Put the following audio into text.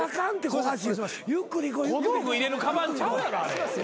小道具入れるかばんちゃうやろあれ。